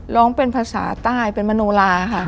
ร้องเป็นภาษาใต้เป็นมโนลาค่ะ